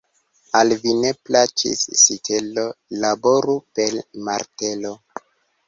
Al vi ne plaĉis sitelo, laboru per martelo.